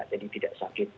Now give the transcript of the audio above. jadi tidak sakit